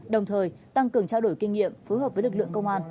đồng thời tăng cường trao đổi kinh nghiệm phối hợp với lực lượng công an